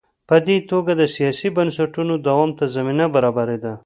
په دې توګه د سیاسي بنسټونو دوام ته زمینه برابرېده.